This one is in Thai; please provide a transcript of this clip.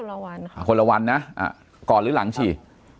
ละวันค่ะคนละวันนะก่อนหรือหลังฉีด